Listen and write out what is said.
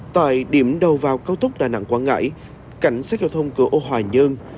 tại điểm đầu vào cao tốc đà nẵng quảng ngãi cảnh sát giao thông cửa âu hòa nhơn